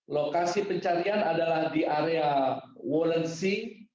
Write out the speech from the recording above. lokasi pencarian adalah di area wallency